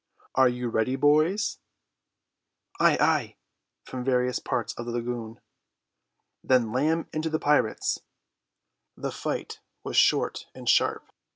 "Are you ready, boys?" "Ay, ay," from various parts of the lagoon. "Then lam into the pirates." The fight was short and sharp.